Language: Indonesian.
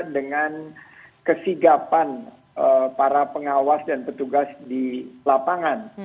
dengan kesigapan para pengawas dan petugas di lapangan